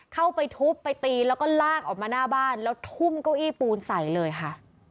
เข้าไปทุบไปตีแล้วก็ลากออกมาหน้าบ้านแล้วทุ่มเก้าอี้ปูนใส่เลยค่ะ